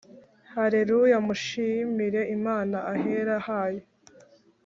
Haleluya mushimire imana ahera hayo